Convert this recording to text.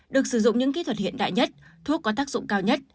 được sử dụng những kỹ thuật hiện đại nhất thuốc có tác dụng cao nhất